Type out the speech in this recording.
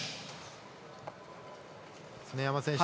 常山選手